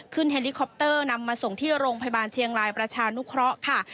เฮลิคอปเตอร์นำมาส่งที่โรงพยาบาลเชียงรายประชานุเคราะห์ค่ะ